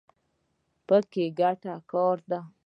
په ګټه کار دی.